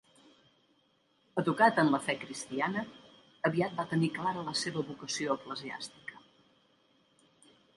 Educat en la fe cristiana, aviat va tenir clara la seva vocació eclesiàstica.